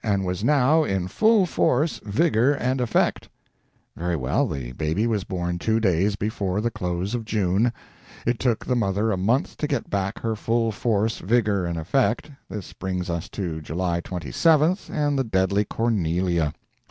and was now in full force, vigor, and effect." Very well, the baby was born two days before the close of June. It took the mother a month to get back her full force, vigor, and effect; this brings us to July 27th and the deadly Cornelia.